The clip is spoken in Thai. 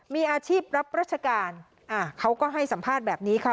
มีอาชีพรับราชการเขาก็ให้สัมภาษณ์แบบนี้ค่ะ